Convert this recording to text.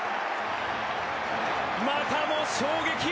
またも衝撃。